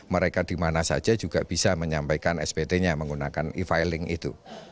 mereka dimana saja juga bisa menyampaikan spt nya menggunakan e filing itu